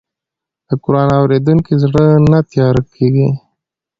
د قرآن اورېدونکی زړه نه تیاره کېږي.